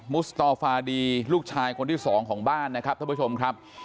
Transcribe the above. สตอฟาดีลูกชายคนที่สองของบ้านนะครับท่านผู้ชมครับ